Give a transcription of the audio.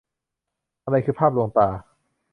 อะไรคือภาพลวงตา